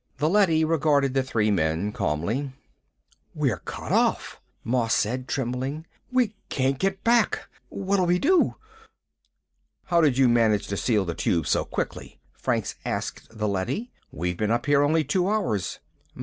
The leady regarded the three men calmly. "We're cut off," Moss said, trembling. "We can't get back. What'll we do?" "How did you manage to seal the Tube so quickly?" Franks asked the leady. "We've been up here only two hours."